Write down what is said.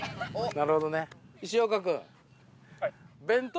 なるほどね。